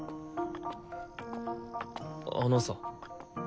あのさ。